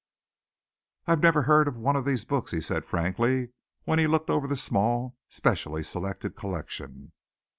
"I never heard of one of these books," he said frankly, when he looked over the small, specially selected collection.